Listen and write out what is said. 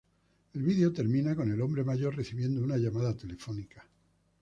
El video termina con el hombre mayor recibiendo una llamada telefónica.